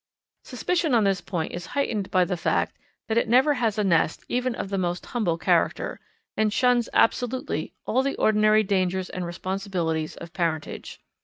Suspicion on this point is heightened by the fact that it never has a nest even of the most humble character, and shuns absolutely all the ordinary dangers and responsibilities of parentage.